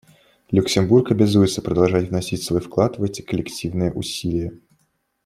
Люксембург обязуется продолжать вносить свой вклад в эти коллективные усилия.